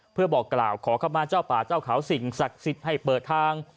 เพื่อบอกกล่าวขอเข้ามาเจ้าป่าเจ้าเขาสิ่งศักดิ์สิทธิ์ให้เปิดทาง